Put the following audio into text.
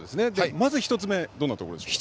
まず１つ目、どんなところですか。